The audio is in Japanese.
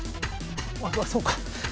あっそうか！